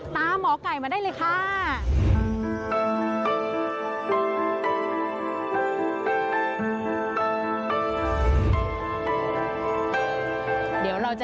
หมอไก่มาได้เลยค่ะ